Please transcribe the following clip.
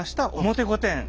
表御殿。